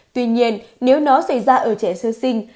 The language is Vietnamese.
tuy nhiên nếu nó xảy ra ở trẻ sơ sinh